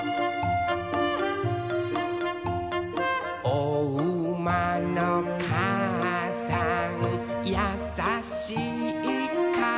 「おうまのかあさんやさしいかあさん」